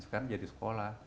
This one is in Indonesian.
sekarang jadi sekolah